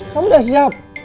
kamu udah siap